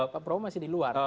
pak prabowo masih di luar